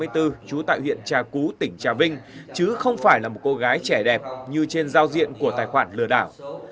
trú tại huyện trà cú tỉnh trà vinh chứ không phải là một cô gái trẻ đẹp như trên giao diện của tài khoản lừa đảo